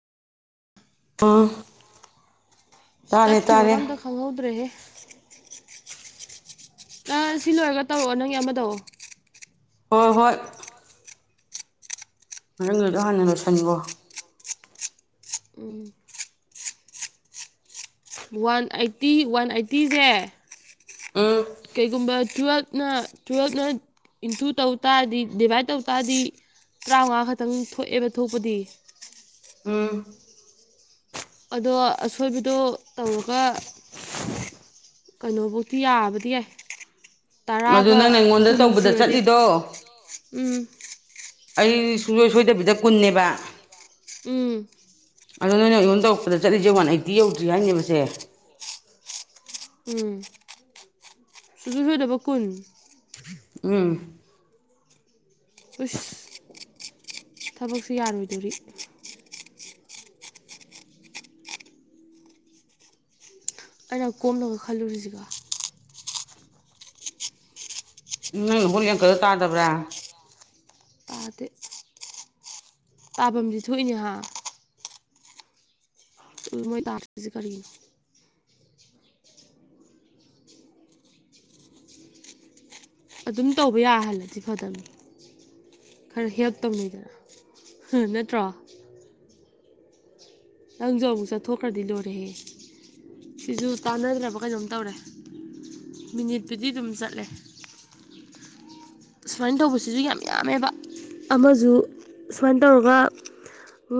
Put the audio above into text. ꯑ‌ꯣ ꯇꯠ ꯊ ꯋꯥ ꯀꯝꯗ ꯈꯪꯍꯧꯗ꯭ꯔꯦ ꯑ ꯁꯤ ꯂꯣꯏꯔꯒ ꯇꯧꯔꯛꯑꯣ ꯅꯪꯒꯤ ꯑꯃ ꯇꯧꯑꯣ ꯍꯣꯏ ꯍꯣꯏ [unintelligible] ꯍꯥꯟꯅ ꯂꯣꯏꯁꯤꯟꯒ‌ꯣ ꯎꯝ ꯋꯥꯟ ꯑꯩꯠꯇꯤ ꯋꯥꯟ ꯑꯩꯠꯇꯤꯁꯦ ꯎꯝ ꯀꯩꯒꯨꯝꯕ ꯇꯨꯋꯜꯞꯅ ꯇꯨꯋꯜꯞꯅ ꯏꯟꯇꯨ ꯇꯧ ꯇꯥꯔꯗꯤ ꯗꯤꯚꯥꯏꯠ ꯇꯧ ꯇꯥꯔꯗꯤ ꯇꯔꯥꯃꯉꯥ ꯈꯛꯇꯪ ꯊꯣꯛꯑꯦꯕ ꯊꯣꯛꯄꯗꯤ ꯎꯝ ꯑꯗꯣ ꯑꯁꯣꯏꯕꯗꯣ ꯇꯧꯔꯒ ꯀꯩꯅꯣꯕꯨꯛꯇꯤ ꯌꯥꯕꯗꯤ ꯌꯥꯏ ꯑꯗꯨ ꯇꯔꯥꯒ ꯅꯪꯅ ꯑꯩꯉꯣꯟꯗ ꯀꯨꯟ ꯇꯧꯕꯗ ꯁꯨꯔꯗꯤ ꯆꯠꯂꯤꯗꯣ ꯎꯝ ꯑꯩ ꯁꯨꯡꯁꯣꯏ ꯁꯣꯏꯗꯕꯤꯗ ꯀꯨꯟꯅꯦꯕ ꯎꯝ ꯑꯗꯣ ꯅꯣꯏꯅ ꯑꯩꯉꯣꯟ ꯇꯧꯛꯄꯗꯆꯠꯂꯤꯁꯦ ꯋꯥꯟ ꯑꯩꯠꯇꯤ ꯌꯧꯗ꯭ꯔꯤ ꯍꯥꯏꯅꯦ ꯃꯁꯦ ꯎꯝ ꯁ ꯁꯣꯏꯗꯕ ꯀꯨꯟ ꯎꯝ ꯎꯁ ꯊꯕꯛ ꯁꯨ ꯌꯥꯔꯣꯏꯗꯧꯔꯤ ꯑꯩꯅ ꯀꯣꯝꯂꯒ ꯈꯜꯂꯨꯔꯤꯁꯤꯒꯣ ꯅꯪ ꯍ‌ꯣꯠꯂꯤ ꯑꯡꯀꯗ‌ꯣ ꯇꯥꯗꯕ꯭ꯔꯥ ꯑꯗ ꯇꯥꯐꯝꯗꯤ ꯊꯣꯛꯏꯅꯦꯍ ꯃꯣꯏ ꯇꯥꯁ꯭ꯛꯁ‌‌ꯦ ꯀꯔꯤꯅ‌ꯣ ꯑꯗꯨꯝ ꯇꯧꯕ ꯌꯥꯍꯜꯂꯗꯤ ꯐꯗꯝꯅꯤ ꯈꯔ ꯍꯦꯜꯞ ꯇꯧꯅꯩꯗꯅ ꯍꯨ ꯅꯠꯇ꯭ꯔꯣ ꯑꯪꯖꯨ ꯑꯃꯨꯛ ꯆꯠꯊꯣꯛꯈ꯭ꯔꯗꯤ ꯂꯣꯏꯔꯦꯍꯦ ꯁꯤꯁꯨ ꯇꯥꯟꯅꯗ꯭ꯔꯕ ꯀꯩꯅꯣꯝ ꯇꯧꯔꯦ ꯃꯤꯅꯤꯠꯄꯨꯗꯤ ꯑꯗꯨꯝ ꯆꯠꯂꯦ ꯁꯨꯃꯥꯏꯅ ꯇꯧꯕꯁꯤꯁꯨ ꯌꯥꯝ ꯌꯥꯝꯃꯦꯕ ꯑꯃꯁꯨ ꯁꯨꯃꯥꯏꯅ ꯇꯧꯔꯒ